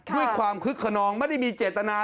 ด้วยความคึกขนองไม่ได้มีเจตนา